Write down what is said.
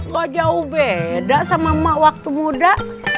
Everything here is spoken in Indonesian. wah jauh beda sama emak waktu muda